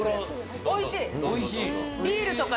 おいしい。